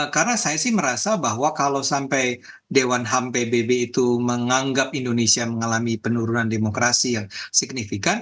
karena saya sih merasa bahwa kalau sampai dewan ham pbb itu menganggap indonesia mengalami penurunan demokrasi yang signifikan